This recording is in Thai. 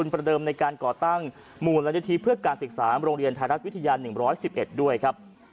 ประเดิมในการก่อตั้งมูลนิธิเพื่อการศึกษาโรงเรียนไทยรัฐวิทยา๑๑๑ด้วยครับ